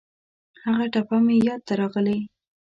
هغه ټپه مې یاد ته راغلې.